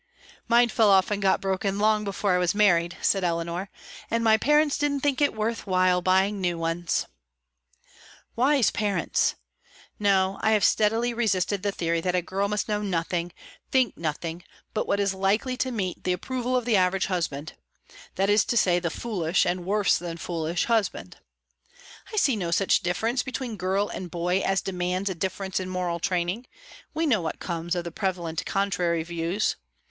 "Mine fell off and got broken long before I was married," said Eleanor, "and my parents didn't think it worth while to buy new ones." "Wise parents! No, I have steadily resisted the theory that a girl must know nothing, think nothing, but what is likely to meet the approval of the average husband that is to say, the foolish, and worse than foolish, husband. I see no such difference between girl and boy as demands a difference in moral training; we know what comes of the prevalent contrary views.